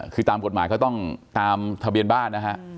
คือตามกฎหมายก็ต้องตามทะเบียนบ้านนะฮะ